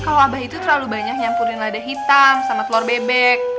kalo abah itu terlalu banyak nyampurin lada hitam sama telor bebek